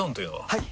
はい！